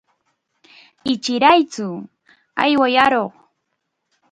Ichiraytsu, ayway aruq.